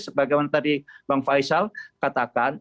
sebagaimana tadi bang faisal katakan